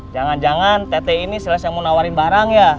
jangan jangan tete ini selesai mau nawarin barang ya